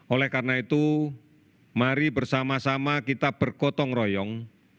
oleh karena itu mari bersama sama kita bergotong royong